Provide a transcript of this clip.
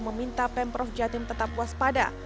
meminta pemprov jatim tetap waspada